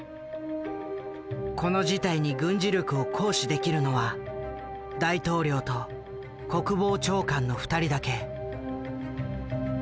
この事態に軍事力を行使できるのは大統領と国防長官の２人だけ。